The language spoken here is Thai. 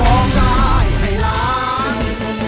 ร้องงานให้ร้อง